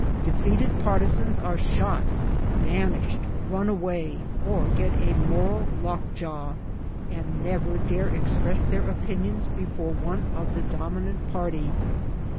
Defeated partisans are shot, banished, run away, or get a moral lockjaw, and never dare express their opinions before one of the dom inant party.